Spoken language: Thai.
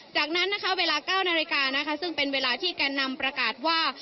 จากนั้นนะคะเวลา๙นาฬิกานะคะซึ่งเป็นเวลาที่แกนนำประกาศว่า